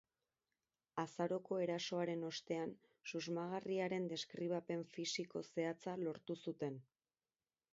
Azaroko erasoaren ostean susmagarriaren deskribapen fisiko zehatza lortu zuten.